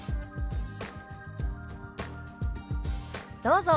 どうぞ。